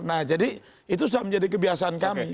nah jadi itu sudah menjadi kebiasaan kami